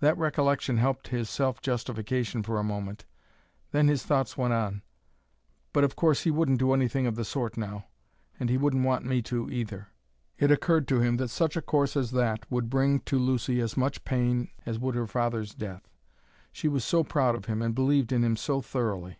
That recollection helped his self justification for a moment, then his thoughts went on: "But of course he wouldn't do anything of the sort now; and he wouldn't want me to, either." It occurred to him that such a course as that would bring to Lucy as much pain as would her father's death. She was so proud of him and believed in him so thoroughly.